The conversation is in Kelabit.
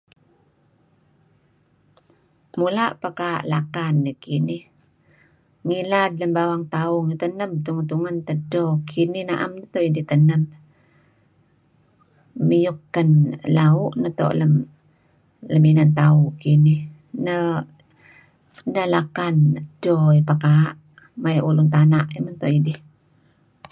mula paka' laken kinih ngilad lem bawang tauh teneb tungen-tungen edcho kinih naam teh idih teneb miuk ken lau' neto lem inan tauh kinih neh lekan edcho pekaa maya ulun tana mento idih